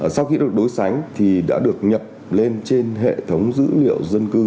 sau khi được đối sánh thì đã được nhập lên trên hệ thống dữ liệu dân cư